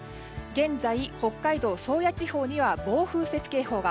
現在、北海道宗谷地方には暴風雪警報が。